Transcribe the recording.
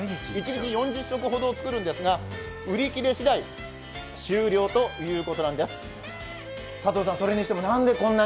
一日４０食ほど作るんですが売り切れしだい終了ということなんです。